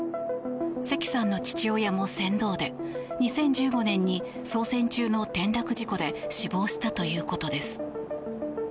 関さんの父親も船頭で２０１５年に操船中の転落事故で死亡したということです。